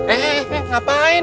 eh eh eh ngapain